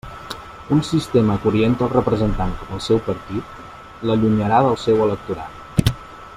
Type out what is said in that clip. Un sistema que oriente el representant cap al seu partit l'allunyarà del seu electorat.